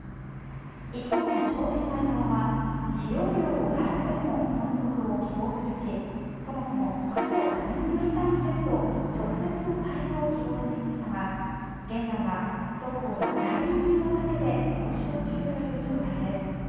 一方の商店街側は使用料を払ってでも存続を希望するし、そもそも区と歩み寄りたいんですと直接の対話を希望していましたが現在は双方が代理人を立てて交渉中という状態です。